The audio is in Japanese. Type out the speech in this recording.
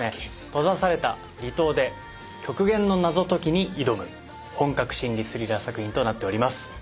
閉ざされた離島で極限の謎解きに挑む本格心理スリラー作品となっております。